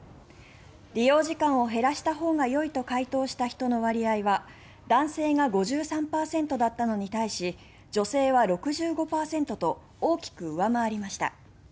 利用時間を減らしたほうがよいと回答した人の割合は男性が５３％だったのに対し女性は６５％と大きく上回りました。